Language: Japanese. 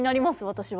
私は。